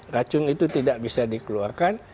racun itu tidak bisa dikeluarkan